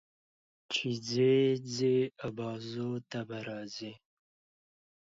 چې ځې، ځې ابازوی ته به راځې.